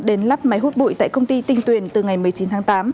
đến lắp máy hút bụi tại công ty tinh tuyền từ ngày một mươi chín tháng tám